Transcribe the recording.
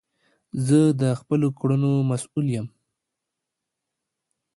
زه د خپلو کړونو مسول یی